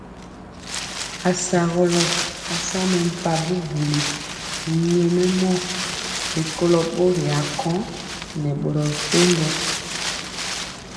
Asagɔlɔ asa mempa bubuli nyɛmemɔ rikolo bori akõ nɛ boro mepempɔ.